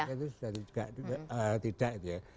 itu sudah tidak itu ya